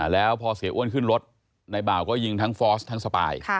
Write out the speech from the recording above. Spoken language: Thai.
แล้วพอเสียอ้วนขึ้นรถในบ่าวก็ยิงทั้งฟอสทั้งสปาย